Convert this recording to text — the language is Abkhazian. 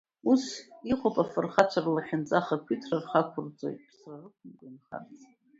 Ус иҟоуп афырхацәа рлахьынҵа, ахақәиҭра рхы ақәырҵоит, ԥсра рықәымкәа иаанхарц.